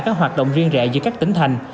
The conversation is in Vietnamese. các hoạt động riêng rẽ giữa các tỉnh thành